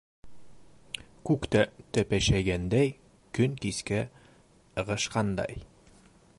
Күк тә тәпәшәйгәндәй, көн кискә ығышҡандай.